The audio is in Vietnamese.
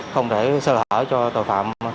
không để xa lở cho tội phạm